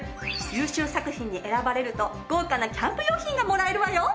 優秀作品に選ばれると豪華なキャンプ用品がもらえるわよ！